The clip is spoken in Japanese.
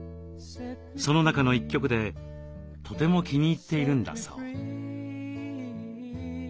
その中の一曲でとても気に入っているんだそう。